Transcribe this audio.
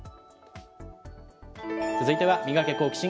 続いては、ミガケ、好奇心！。